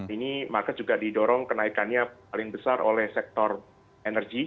ini market juga didorong kenaikannya paling besar oleh sektor energi